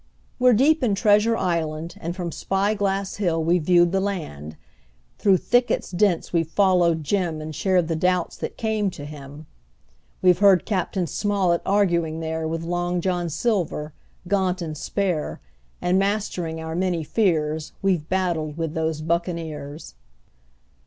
We're deep in Treasure Island, and From Spy Glass Hill we've viewed the land; Through thickets dense we've followed Jim And shared the doubts that came to him. We've heard Cap. Smollett arguing there With Long John Silver, gaunt and spare, And mastering our many fears We've battled with those buccaneers.